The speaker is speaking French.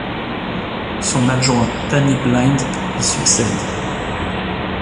Son adjoint Danny Blind lui succède.